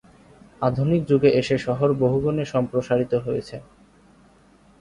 আধুনিক যুগে এসে শহর বহুগুণে সম্প্রসারিত হয়েছে।